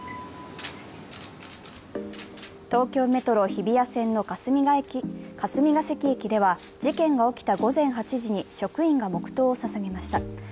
東京メトロ・日比谷線の霞ケ関駅では事件が起きた午前８時に職員が黙とうをささげました。